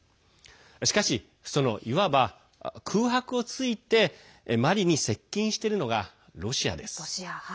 しかし、そのいわば空白をついてマリに接近してるのがロシアです。